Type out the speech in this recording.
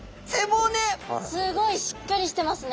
すごいしっかりしてますね。